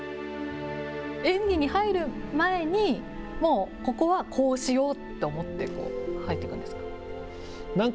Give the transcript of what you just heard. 演技に入る前にもう、ここはこうしようと思って入っていくんですか？